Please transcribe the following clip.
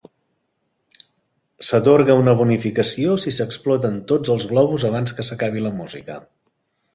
S'atorga una bonificació si s'exploten tots els globus abans que s'acabi la música.